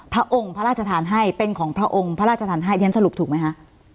พระองค์พระราชทานให้เป็นของพระองค์พระราชทานให้เรียนสรุปถูกไหมคะ